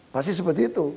pasti seperti itu